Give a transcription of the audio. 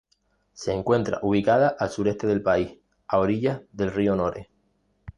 Se encuentra ubicada al sureste del país, a orillas del río Nore.